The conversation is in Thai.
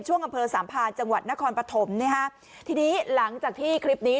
ช่วงกำเภอสามารย์จังหวัดนครปฐมไว้ฮะทีนี้หลังจากที่คลิปนี้